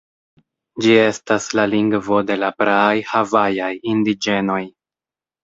Ĝi estas la lingvo de la praaj havajaj indiĝenoj.